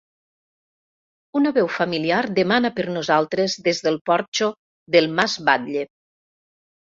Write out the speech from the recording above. Una veu familiar demana per nosaltres des del porxo del mas Batlle.